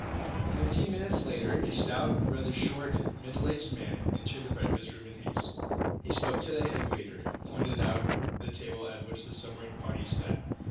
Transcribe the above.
Fifteen minutes later a stout, rather short, middle aged man entered the breakfast room in haste. He spoke to the head waiter, who pointed out the table at which the submarine party sat.